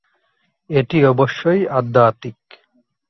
এটি অবশ্যই আধ্যাত্মিক।